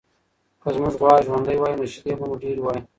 که زموږ غوا ژوندۍ وای، نو شیدې به مو ډېرې وای.